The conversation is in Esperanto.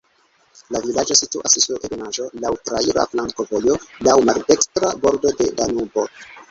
La vilaĝo situas sur ebenaĵo, laŭ traira flankovojo, laŭ maldekstra bordo de Danubo.